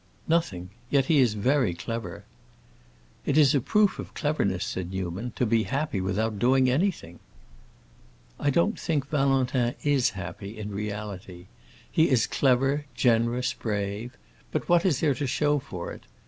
"Nothing. Yet he is very clever." "It is a proof of cleverness," said Newman, "to be happy without doing anything." "I don't think Valentin is happy, in reality. He is clever, generous, brave; but what is there to show for it?